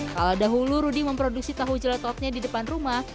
kala dahulu ruti memproduksi tahu jelatotnya di depan rumah